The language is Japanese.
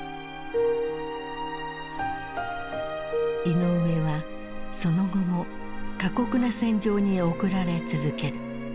イノウエはその後も過酷な戦場に送られ続ける。